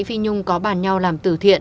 phi nhung có bàn nhau làm từ thiện